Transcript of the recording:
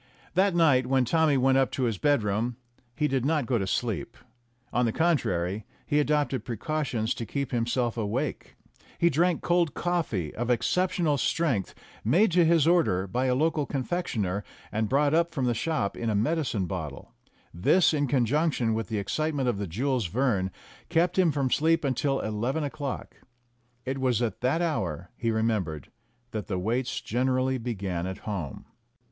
That night, when Tommy went up to his bedroom, he did not go to sleep; on the contrary, he adopted precautions to keep himself awake. He drank cold coffee of exceptional strength made to his order by a local confectioner, and brought up from the shop in a THE BOY AND THE PESSIMIST 107 medicine bottle. This, in conjunction with the excite ment of the Jules Verne, kept him from sleep until eleven o'clock. It was at that hour, he remembered, that the waits generally began at home.